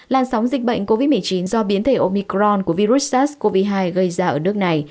làn sóng dịch bệnh covid một mươi chín do biến thể omicron của virus sars cov hai gây ra ở nước này